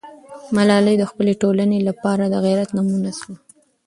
ملالۍ د خپلې ټولنې لپاره د غیرت نمونه سوه.